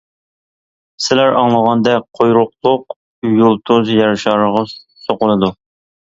سىلەر ئاڭلىغاندەك، قۇيرۇقلۇق يۇلتۇز يەر شارىغا سوقۇلىدۇ.